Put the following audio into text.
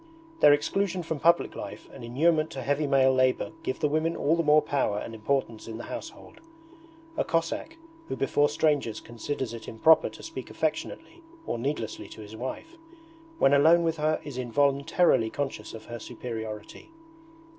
Their exclusion from public life and inurement to heavy male labour give the women all the more power and importance in the household. A Cossack, who before strangers considers it improper to speak affectionately or needlessly to his wife, when alone with her is involuntarily conscious of her superiority.